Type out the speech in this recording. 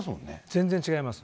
全然違います。